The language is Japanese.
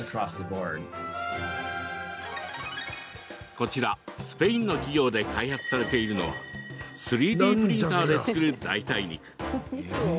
こちら、スペインの企業で開発されているのは３Ｄプリンターで作る代替肉。